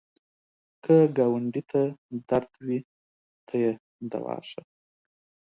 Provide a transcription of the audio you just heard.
که ګاونډي ته درد وي، ته یې دوا شه